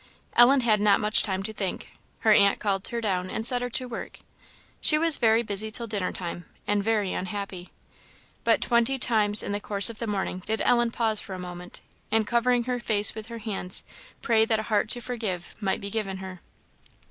Ellen had not much time to think; her aunt called her down and set her to work. She was very busy till dinner time, and very unhappy; but twenty times in the course of the morning did Ellen pause for a moment, and covering her face with her hands pray that a heart to forgive might be given her.